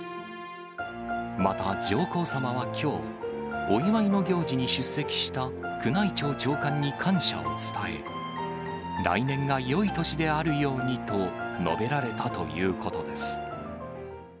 また、上皇さまはきょう、お祝いの行事に出席した宮内庁長官に感謝を伝え、来年がよい年であるようにと述べられたということです。